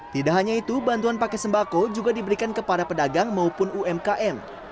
tidak hanya itu bantuan pakai sembako juga diberikan kepada pedagang maupun umkm